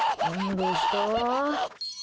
どうした？